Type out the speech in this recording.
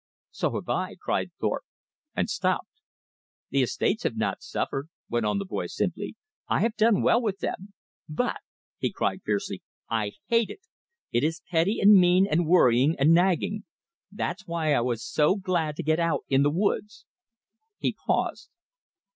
"So have I," cried Thorpe, and stopped. "The estates have not suffered," went on the boy simply. "I have done well with them. But," he cried fiercely, "I HATE it! It is petty and mean and worrying and nagging! That's why I was so glad to get out in the woods." He paused.